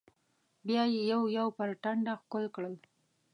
بيا يې يو يو پر ټنډه ښکل کړل.